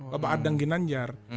bapak adang ginanjar